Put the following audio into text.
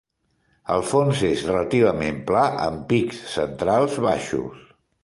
El fons és relativament pla amb pics centrals baixos.